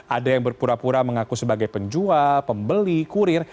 ada yang berpura pura mengaku sebagai penjual pembeli kurir